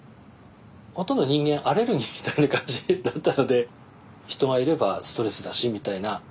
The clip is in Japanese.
ほとんど人間アレルギーみたいな感じだったので人がいればストレスだしみたいな。